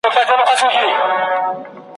پر موسم د ارغوان به مي سفر وي `